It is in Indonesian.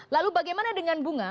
lalu bagaimana dengan bunga